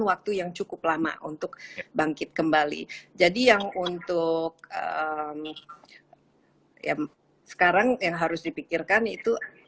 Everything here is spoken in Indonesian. waktu yang cukup lama untuk bangkit kembali jadi yang untuk ya sekarang yang harus dipikirkan itu